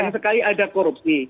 sekali sekali ada korupsi